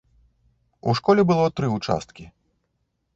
У школе было тры ўчасткі.